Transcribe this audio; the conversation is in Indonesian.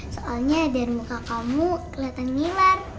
soalnya dari muka kamu kelihatan minar